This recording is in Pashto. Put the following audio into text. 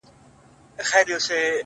د تورو زلفو په هر تار راته خبري کوه!